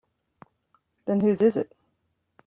Then whose is it?